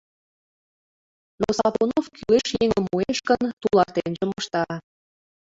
Но Сапунов кӱлеш еҥым муэш гын, тулартенже мошта.